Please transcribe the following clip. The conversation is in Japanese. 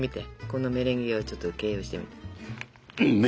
このメレンゲをちょっと形容してみて。